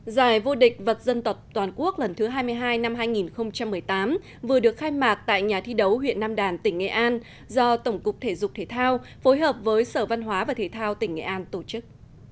giải vô địch vật dân tộc toàn quốc lần thứ hai mươi hai năm hai nghìn một mươi tám vừa được khai mạc tại nhà thi đấu huyện nam đàn tỉnh nghệ an do tổng cục thể dục thể thao phối hợp với sở văn hóa và thể thao tỉnh nghệ an tổ chức